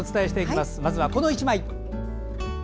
まずはこの１枚。